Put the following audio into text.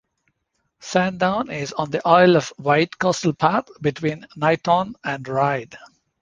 Sandown is on the Isle of Wight Coastal Path, between Niton and Ryde.